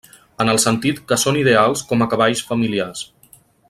En el sentit que són ideals com a cavalls familiars.